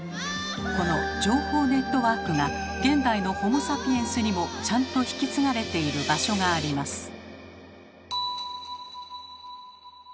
この情報ネットワークが現代のホモ・サピエンスにもちゃんと引き継がれている場所があります。